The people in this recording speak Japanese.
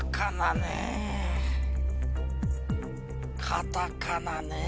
カタカナねぇ。